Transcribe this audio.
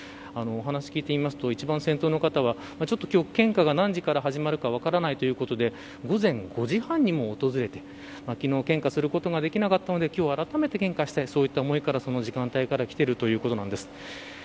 お話聞いてみますと一番先頭の方は献花が何時から始まるか分からないということで午前５時半にもう訪れて昨日、献花することができなかったので今日、あらためて献花したいそういった思いからその時間帯から来ているということです。